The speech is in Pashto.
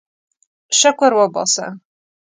شکر وباسه.